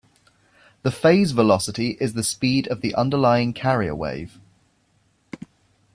The phase velocity is the speed of the underlying carrier wave.